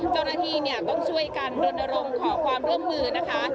เจ้าหน้าที่เนี่ยต้องช่วยกันรณรงค์ขอความร่วมมือนะคะ